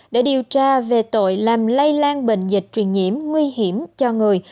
để điều tra về tội làm lây lan bệnh dịch truyền nhiễm nguy hiểm cho người